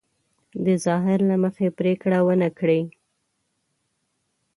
د ظاهر له مخې پرېکړه ونه کړي.